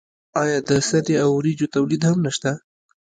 آیا د سرې او وریجو تولید هم نشته؟